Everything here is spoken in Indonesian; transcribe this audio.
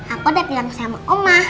aku udah bilang sama oma